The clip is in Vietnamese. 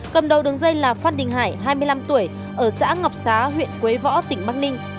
cầm đầu đường dây là phát đình hải hai mươi năm tuổi ở xã ngọc xá huyện quế võ tỉnh bắc ninh